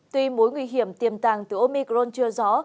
tuy mối nguy hiểm tiềm tàng từ omicron chưa rõ